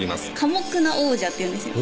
寡黙な王者っていうんですよ